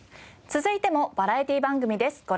続いてもバラエティー番組です。